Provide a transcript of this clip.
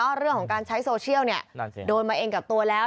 ว่าเรื่องของการใช้โซเชียลโดยมาเองกับตัวแล้ว